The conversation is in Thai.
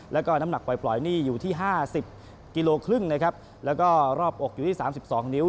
แล้วก็น้ำหนักปล่อยนี่อยู่ที่๕๐กิโลครึ่งนะครับแล้วก็รอบอกอยู่ที่๓๒นิ้ว